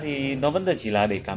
chỉ cần hệ thống phân bothero xe và mider